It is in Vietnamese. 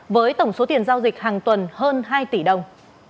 với tổng số tiền giao dịch hàng tuần hơn hai tỷ đồng